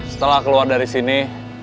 setelah keluar dari sini